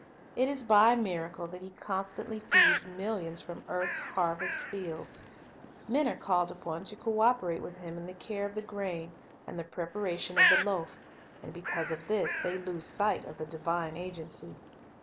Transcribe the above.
It is by a miracle that He constantly feeds millions from earth's harvest fields. Men are called upon to co operate with Him in the care of the grain and the preparation of the loaf, and because of this they lose sight of the divine agency.